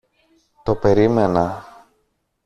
Το περίμενα.